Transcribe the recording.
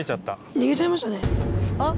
逃げちゃいました。